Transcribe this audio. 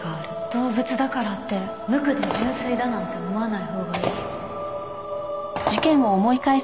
動物だからって無垢で純粋だなんて思わないほうがいい。